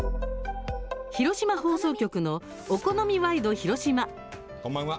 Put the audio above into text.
広島放送局の「お好みワイドひろしま」。